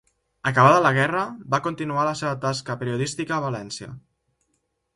Acabada la guerra, va continuar la seva tasca periodística a València.